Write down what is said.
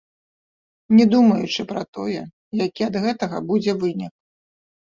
Не думаючы пра тое, які ад гэтага будзе вынік.